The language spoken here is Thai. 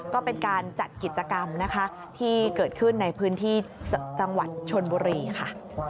ก็เป็นการจัดกิจกรรมนะคะที่เกิดขึ้นในพื้นที่จังหวัดชนบุรีค่ะ